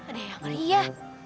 ada yang ria